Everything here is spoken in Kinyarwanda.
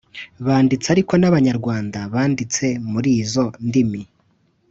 banditse ariko n’abanyarwanda banditse muri izo ndimi